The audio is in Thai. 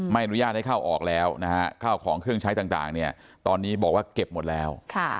อนุญาตให้เข้าออกแล้วนะฮะข้าวของเครื่องใช้ต่างเนี่ยตอนนี้บอกว่าเก็บหมดแล้ว